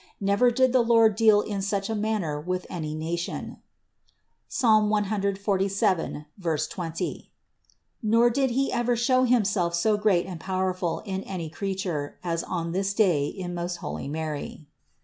Never did the Lord deal in such a manner with any nation (Ps. 147, 20), nor did He ever show Himself so great and powerful in any creature, as on this day in most holy Mary.